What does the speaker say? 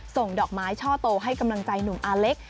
ส่งดอกไม้ช่อโตให้กำลังใจหนุ่มอาเล็ก